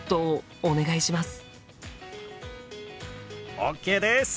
ＯＫです！